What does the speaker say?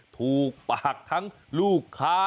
ถูกปากทั้งลูกค้า